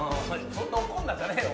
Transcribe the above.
そんな怒んなじゃねえよ